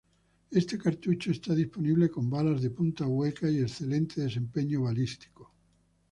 Este cartucho está disponible con balas de punta hueca y excelente desempeño balístico.